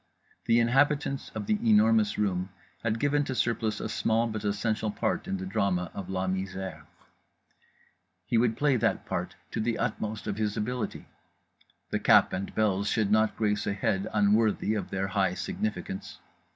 The inhabitants of The Enormous Room had given to Surplice a small but essential part in the drama of La Misère: he would play that part to the utmost of his ability; the cap and bells should not grace a head unworthy of their high significance.